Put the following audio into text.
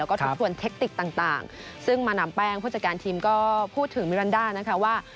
แล้วก็ทบทวนเทคติกต่างซึ่งมาดามแป้งผู้จัดการทีมก็พูดถึงมิรันดานะคะว่า